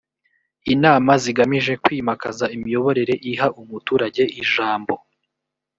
inama zigamije kwimakaza imiyoborere iha umuturage ijambo